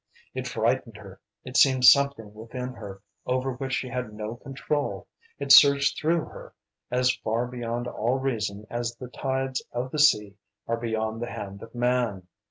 It frightened her. It seemed something within her over which she had no control. It surged through her as far beyond all reason as the tides of the sea are beyond the hand of man.